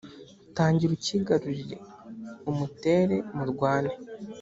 tangira ucyigarurire, umutere murwane.